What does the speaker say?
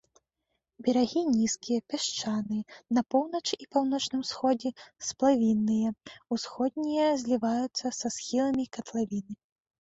Берагі нізкія, пясчаныя, на поўначы і паўночным усходзе сплавінныя, усходнія зліваюцца са схіламі катлавіны.